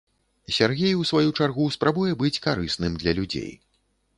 Сяргей, у сваю чаргу, спрабуе быць карысным для людзей.